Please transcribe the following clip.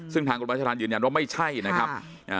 ซึ่งทางคุณวัชรานยืนยันว่าไม่ใช่นะครับ